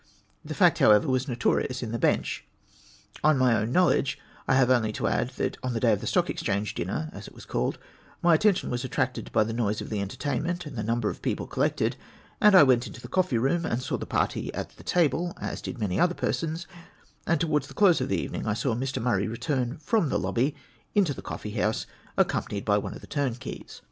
The fact, however, was notorious in the Bench. Of my own know ledge I have only to add, that on the day of the Stock Ex change Dinner (as it was called), my attention was attracted by the noise of the entertainment and the numlier of people collected ; and I went into the coffee room and saw tlie party at the table, as did many other persons ; and towards the close of the evening I saw Mr. Murray return from the lobby into the coffee house, accompanied by one of the turnkeys.